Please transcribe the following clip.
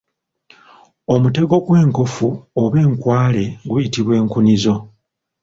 Omutego gw'enkofu oba enkwale guyitibwa enkunizo.